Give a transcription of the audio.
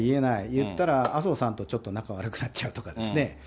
言ったら麻生さんとちょっと仲悪くなっちゃうとかですね。